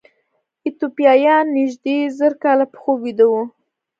ایتوپیایان نږدې زر کاله په خوب ویده وو.